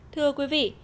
thưa quý vị